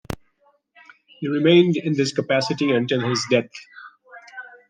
He remained in this capacity until his death.